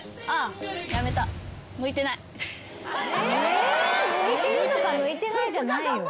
え向いてるとか向いてないじゃないよ。